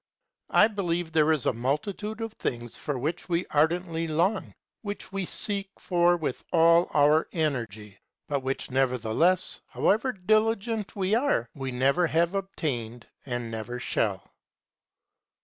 I believe there is a multitude of things for which we ardently long, which we seek for with all our energy, but which nevertheless, however diligent we are, we never have obtained and never shall.